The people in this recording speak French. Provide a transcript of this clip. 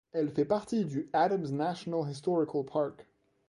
Elle fait partie du Adams National Historical Park.